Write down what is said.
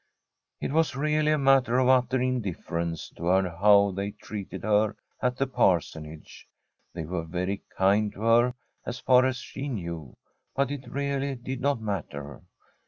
It was really a matter of utter indifference to her how they treated her at the Parsonage. They were very kind to her, as far as she knew, but it really did not matter.